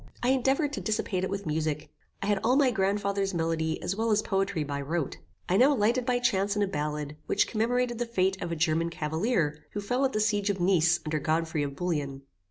I endeavoured to dissipate it with music. I had all my grand father's melody as well as poetry by rote. I now lighted by chance on a ballad, which commemorated the fate of a German Cavalier, who fell at the siege of Nice under Godfrey of Bouillon.